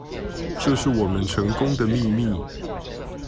這是我們成功的秘密